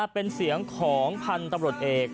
เป็นเสียงของพันธุ์ตำรวจเอก